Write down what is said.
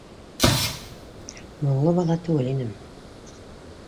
Моңло бала түгел инем